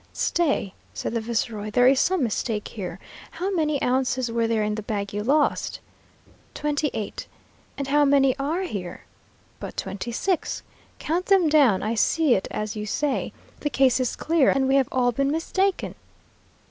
"Stay," said the viceroy, "there is some mistake here. How many ounces were there in the bag you lost?" "Twenty eight." "And how many are here?" "But twenty six." "Count them down. I see it is as you say. The case is clear, and we have all been mistaken.